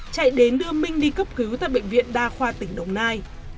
chạy đến đưa minh đi cấp cứu tại bệnh viện đa khoa tỉnh đồng nai